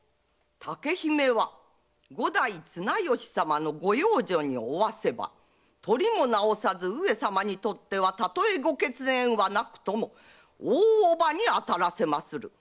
竹姫は五代・綱吉様のご養女におわせばとりもなおさず上様にとってはたとえご血縁はなくとも大叔母に当たらせまする。